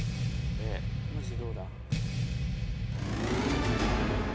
マジでどうだ？